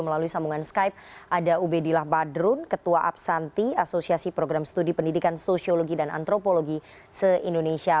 melalui sambungan skype ada ubedillah badrun ketua absanti asosiasi program studi pendidikan sosiologi dan antropologi se indonesia